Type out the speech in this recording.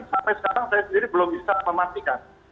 sampai sekarang saya sendiri belum bisa memastikan